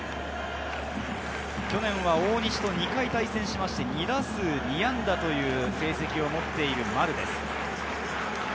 去年は大西と２回対戦して２打数２安打という成績を持っている丸です。